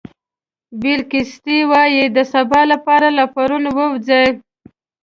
بیل ګېټس وایي د سبا لپاره له پرون ووځئ.